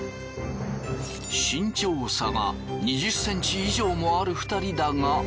身長差が２０ｃｍ以上もある２人だが。